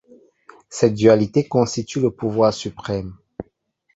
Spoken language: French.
Cette dualité constitue le pouvoir suprême.